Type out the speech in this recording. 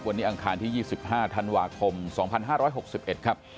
วันนี้อังคารที่๒๕ธันวาคม๒๕๖๑ครับ